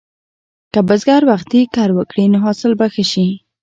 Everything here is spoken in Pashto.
که بزګر وختي کر وکړي، نو حاصل به ښه شي.